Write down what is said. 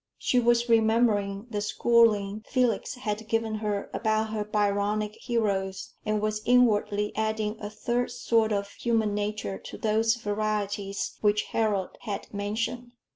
She was remembering the schooling Felix had given her about her Byronic heroes, and was inwardly adding a third sort of human nature to those varieties which Harold had mentioned.